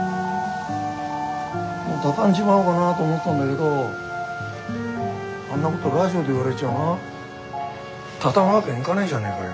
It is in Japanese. もう畳んじまおうかなと思ってたんだけどあんなことラジオで言われちゃあな畳むわけにいかねえじゃねえかよ。